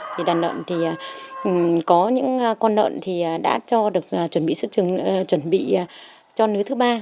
thì đàn nợn thì có những con nợn thì đã cho được chuẩn bị xuất trường chuẩn bị cho nứa thứ ba